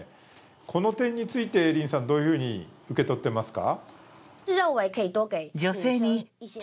この点について林さんはどういうふうに受け取ってますか？